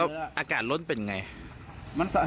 แล้วอากาศลดเป็นอย่างไร